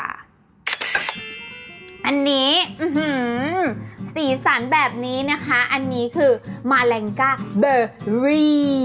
อันนี้สีสันแบบนี้นะคะอันนี้คือมาแรงก้าเบอร์รี่